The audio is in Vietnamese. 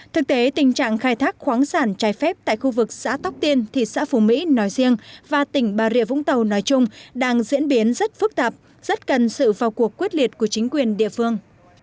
thực tế tình trạng khai thác khoáng sản trái phép tại khu vực xã tóc tiên thị xã phú mỹ nói riêng và tỉnh bà rịa vũng tàu nói chung đang diễn biến rất phức tạp rất cần sự vào cuộc quyết liệt của chính quyền địa phương